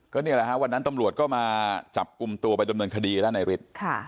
นี่แหละฮะวันนั้นตำรวจก็มาจับกลุ่มตัวไปดำเนินคดีแล้วนายฤทธิ์